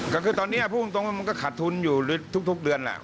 ก็คือตอนนี้พูดตรงก็ขาดทุนทุกเดือนแล้ว